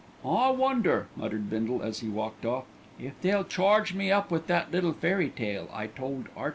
"I wonder," muttered Bindle, as he walked off, "if they'll charge me up with that little fairy tale I told 'Earty."